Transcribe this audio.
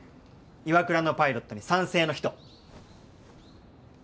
岩倉のパイロットに賛成の人。